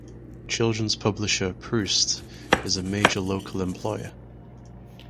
Children's publisher Proost is a major local employer.